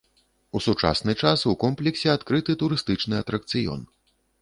У сучасны час у комплексе адкрыты турыстычны атракцыён.